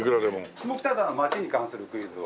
下北沢の街に関するクイズを。